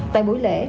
tại buổi lễ